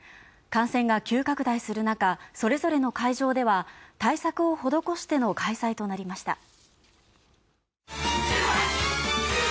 感染が急拡大する中、それぞれの会場では対策を施しての開催となりました。